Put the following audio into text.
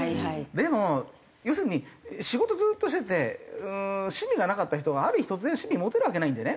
でも要するに仕事ずっとしてて趣味がなかった人がある日突然趣味持てるわけないんでね。